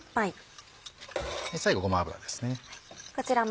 最後ごま油ですね。